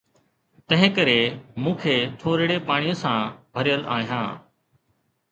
تنهن ڪري، مون کي ٿورڙي پاڻيء سان ڀريل آهيان